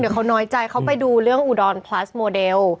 เขาน้อยใจเขาไปดูเรื่องอุดรพลัสโมเดล